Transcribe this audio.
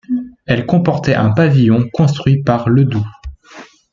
Elle comportait un pavillon construit par Ledoux.